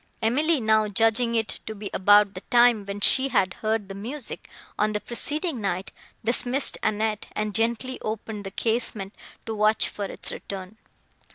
Emily now judging it to be about the time, when she had heard the music, on the preceding night, dismissed Annette, and gently opened the casement to watch for its return.